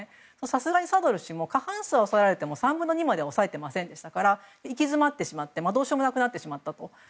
さすがにサドル師も過半数は押さえられても３分の２までは押さえていませんでしたから行き詰まってしまってどうしようもなくなってしまったと。